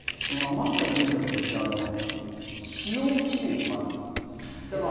余った電力って使用期限とかあるんですか？